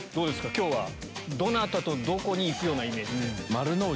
今日はどなたとどこに行くようなイメージで？